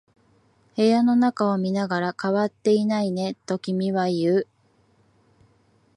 部屋の中を見ながら、変わっていないねと君は言う。